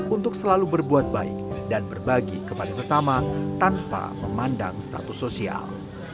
untuk selalu berbuat baik dan berbagi kepada sesama tanpa memandang status sosial